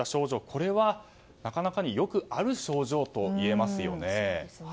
これはなかなかによくある症状と言えますよね。